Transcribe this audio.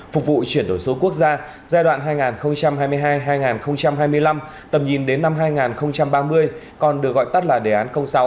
phục vụ chuyển đổi số quốc gia giai đoạn hai nghìn hai mươi hai hai nghìn hai mươi năm tầm nhìn đến năm hai nghìn ba mươi còn được gọi tắt là đề án sáu